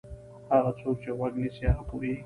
هغه څوک چې غوږ نیسي هغه پوهېږي.